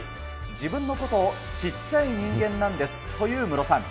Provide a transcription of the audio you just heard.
自分のことをちっちゃい人間なんですというムロさん。